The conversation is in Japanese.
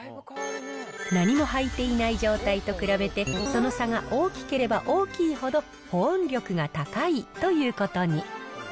何も履いていない状態と比べて、その差が大きければ大きいほど、保温力が高いということに。